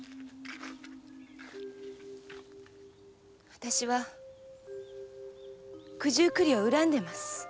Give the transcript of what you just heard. あたしは九十九里を恨んでいます。